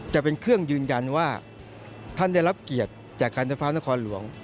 จะเป็นเครื่องยืนยันว่าท่านได้รับเกียรติจากการไฟฟ้านครหลวง